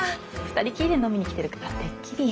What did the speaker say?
二人きりで飲みに来てるからてっきり。